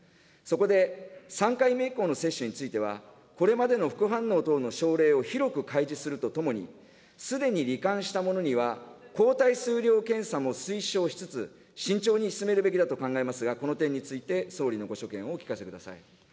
そこで、３回目以降の接種については、これまでの副反応等の症例を広く開示するとともに、すでにり患した者には、抗体数量検査も推奨しつつ、慎重に進めるべきだと考えますが、この点について総理のご所見をお聞かせください。